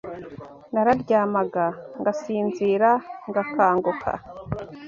Nararyamaga ngasinzira, ngakanguka